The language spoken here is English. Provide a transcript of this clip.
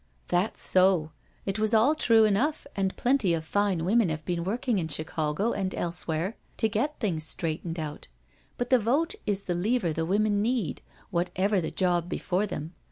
'*" That's so. It was all true enough, and plenty of fine women have been working in Chicago and else where to get things straightened out, but the vote is the lever the women need, whatever the job before them.